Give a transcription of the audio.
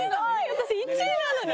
私１位なのに。